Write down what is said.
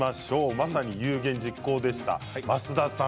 まさに有言実行でした増田さん